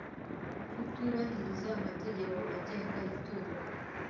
Kutubahiriza amategeko agenga itorero